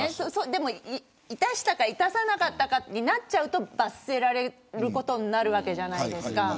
でも、いたしたかいたさなかったかになると罰せられることになるわけじゃないですか。